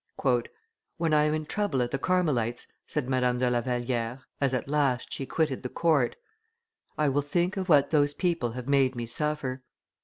[Illustration: Madame de la Valliere 10] "When I am in trouble at the Carmelites'," said Madame de La Valliere, as at last she quitted the court, "I will think of what those people have made me suffer."